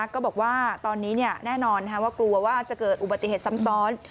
ก็บอกว่าตอนนี้แน่นอนว่ากลัวว่าจะเกิดอุบัติเหตุซ้ำซ้อน